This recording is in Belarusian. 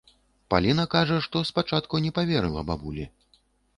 Паліна кажа, што спачатку не паверыла бабулі.